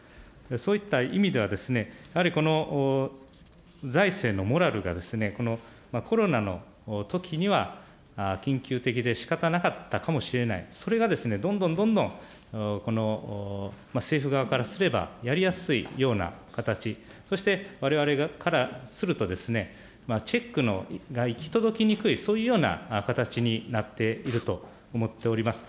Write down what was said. そういった意味では、やはりこの財政のモラルがですね、コロナのときには緊急的でしかたなかったかもしれない、それがですね、どんどんどんどんこの政府側からすればやりやすいような形、そしてわれわれからするとですね、チェックが行き届きにくい、そういうような形になっていると思っております。